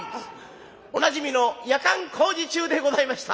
おなじみの「やかん工事中」でございました。